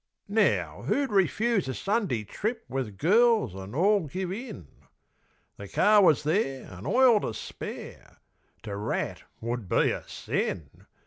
Now, who'd refuse a Sund'y trip With girls an' all give in? The car was there an' oil to spare. To rat would be a sin!